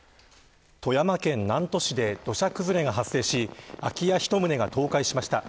富山県南砺市で土砂崩れが発生し空き家一棟が倒壊しました。